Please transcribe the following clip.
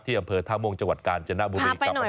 ที่อำเภอทะมงจังหวัดกาลเจน่าบุรีกรับอาหารที่